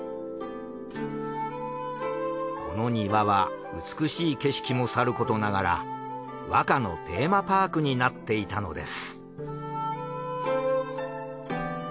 この庭は美しい景色もさることながら和歌のテーマパークになっていたのです。